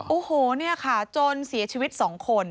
โอ้โหเนี่ยค่ะจนเสียชีวิต๒คน